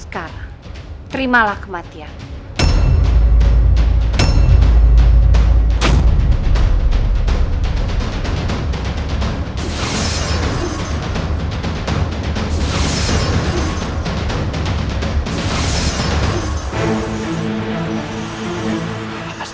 kali ini aku tidak berminat untuk menikahi